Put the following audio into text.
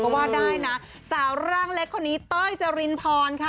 ก็ว่าได้นะสาวร่างเล็กคนนี้เต้ยจรินพรค่ะ